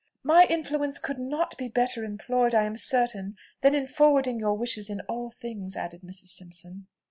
"My influence could not be better employed, I am certain, than in forwarding your wishes in all things," added Mrs. Simpson.